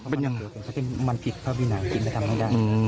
เพราะมันผิดภาพวินัยกินไปทำให้ได้